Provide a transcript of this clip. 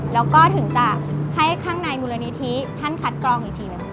แล้วก็ถึงจะให้ข้างในมูลนิธิท่านคัดกรองอีกทีหนึ่ง